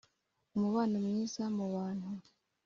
umubano mwiza mu bantu